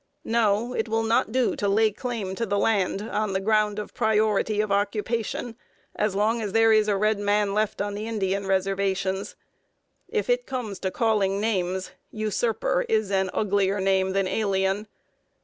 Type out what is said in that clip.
No, it will not do to lay claim to the land on the ground of priority of occupation, as long as there is a red man left on the Indian reservations. If it comes to calling names, usurper is an uglier name than alien.